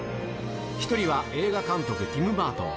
１人は映画監督、ティム・バートン。